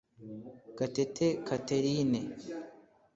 Gatete Catherine